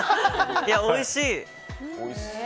おいしい！